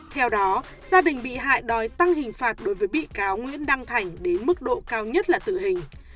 theo đó gia đình bị hại đòi tăng hình phạt đối với bị cáo nguyễn đăng thành đến mức độ cao nhất là tử hình